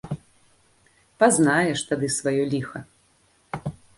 Пазнаеш тады сваё ліха.